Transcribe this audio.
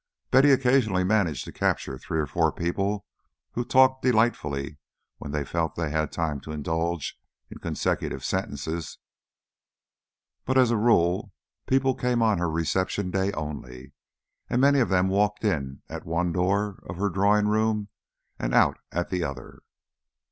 Betty occasionally managed to capture three or four people who talked delightfully when they felt they had time to indulge in consecutive sentences, but as a rule people came on her reception day only, and many of them walked in at one door of her drawing room and out at the other.